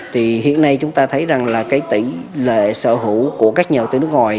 thì hiện nay chúng ta thấy rằng là cái tỷ lệ sở hữu của các nhà đầu tư nước ngoài